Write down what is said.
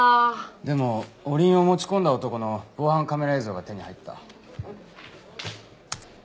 でもお鈴を持ち込んだ男の防犯カメラ映像が手に入った。